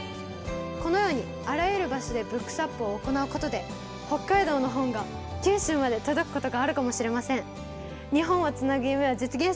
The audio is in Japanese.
このようにあらゆる場所でＢｏｏｋｓｗａｐを行うことで北海道の本が九州まで届くことがあるかもしれません。